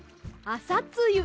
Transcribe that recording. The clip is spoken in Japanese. あさゆつ？